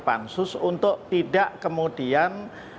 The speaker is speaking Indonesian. pansus untuk tidak kemudian